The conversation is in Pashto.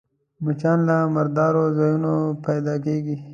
مچان له مردارو ځایونو پيدا کېږي